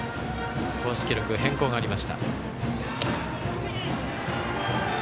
公式記録の変更がありました。